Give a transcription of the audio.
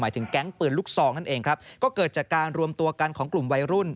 ถึงแก๊งปืนลูกซองนั่นเองครับก็เกิดจากการรวมตัวกันของกลุ่มวัยรุ่น